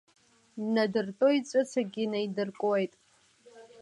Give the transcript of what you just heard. Днадыртәоит, ҵәыцакгьы наидыркуеит.